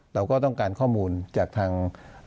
เราก็ต้องการข้อมูลจากทาง